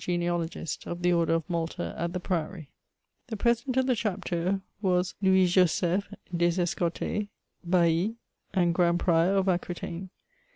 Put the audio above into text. genealogist of the Order of Malta at the Priory. The President of the Chapter was Loids Joseph des Eseo tals, Bailli and Grand Prior of Aquitaine.